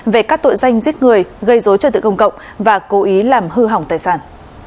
về các tội danh giết người gây dối trật tự công cộng và cố ý làm hư hỏng tài sản